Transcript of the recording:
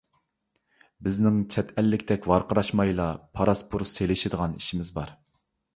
بىزنىڭ چەت ئەللىكتەك ۋارقىراشمايلا پاراس-پۇرۇس سېلىشىدىغان ئىشىمىز بار.